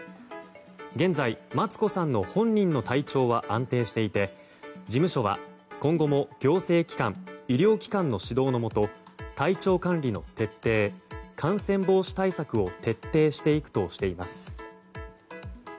現在マツコさんの本人の体調は安定していて事務所は今後も行政機関医療機関の指導のもと体調管理の徹底感染防止対策を徹底していくとしています。